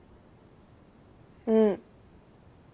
うん。